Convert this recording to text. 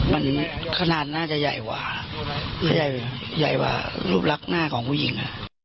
มันขนาดน่าจะใหญ่กว่าใหญ่กว่ารูปลักหน้าของผู้หญิง